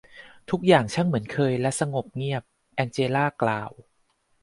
ทุกอย่างช่างเหมือนเคยและสงบเงียบ แองเจลากล่าว